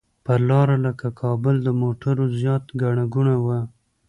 پر لاره لکه کابل د موټرو زیاته ګڼه ګوڼه وه.